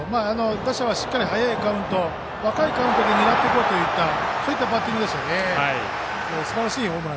打者はしっかり早いカウント若いカウントで狙っていこうというバッティングでした。